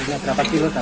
kalau satu tiga